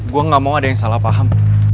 gue gak mau ada yang salah paham